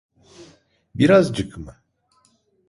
Birazcık mı?